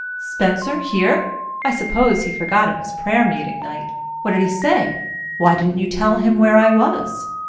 "Spencer here! I suppose he forgot it was prayer meeting night. What did he say? Why didn't you tell him where I was?"